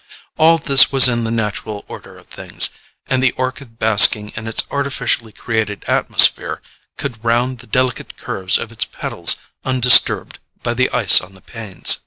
All this was in the natural order of things, and the orchid basking in its artificially created atmosphere could round the delicate curves of its petals undisturbed by the ice on the panes.